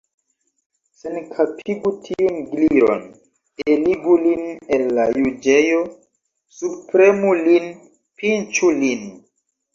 Senkapigu tiun Gliron! Eligu lin el la juĝejo! Subpremu lin! Pinĉu lin!